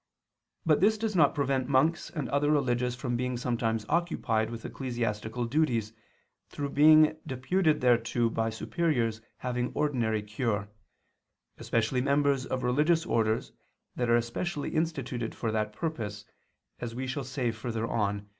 But this does not prevent monks and other religious from being sometimes occupied with ecclesiastical duties through being deputed thereto by superiors having ordinary cure; especially members of religious orders that are especially instituted for that purpose, as we shall say further on (Q.